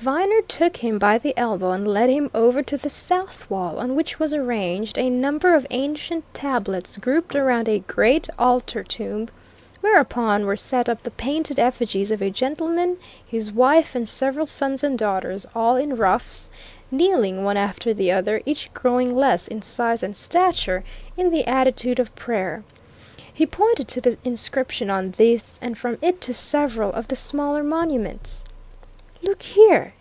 Viner took him by the elbow and led him over to the south wall, on which was arranged a number of ancient tablets, grouped around a great altar tomb whereon were set up the painted effigies of a gentleman, his wife, and several sons and daughters, all in ruffs, kneeling one after the other, each growing less in size and stature, in the attitude of prayer. He pointed to the inscription on this, and from it to several of the smaller monuments. "Look here!"